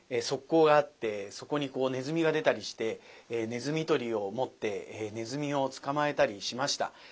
側溝があってそこにネズミが出たりしてネズミ捕りを持ってネズミを捕まえたりしました。